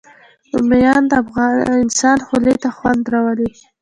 رومیان د انسان خولې ته خوند راولي